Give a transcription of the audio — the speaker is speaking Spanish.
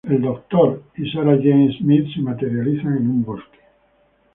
El Doctor y Sarah Jane Smith se materializan en un bosque.